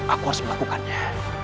aku harus melakukannya